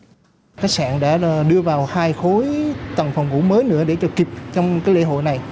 các khách sạn đã đưa vào hai khối tầng phòng ngủ mới nữa để được kịp trong lễ hội này